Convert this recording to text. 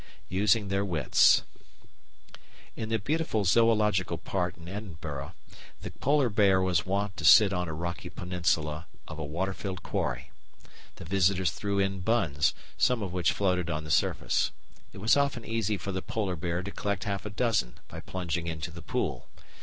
Using their Wits In the beautiful Zoological Park in Edinburgh the Polar Bear was wont to sit on a rocky peninsula of a water filled quarry. The visitors threw in buns, some of which floated on the surface. It was often easy for the Polar Bear to collect half a dozen by plunging into the pool.